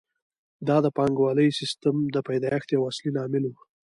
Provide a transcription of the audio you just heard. دا د پانګوالي سیسټم د پیدایښت یو اصلي لامل وو